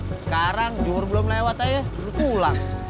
sekarang johor belum lewat aja baru pulang